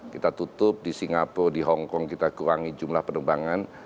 kita tutup di singapura di hongkong kita kurangi jumlah penerbangan